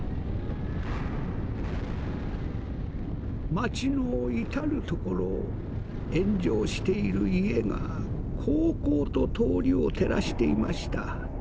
「街の至る所炎上している家が煌々と通りを照らしていました。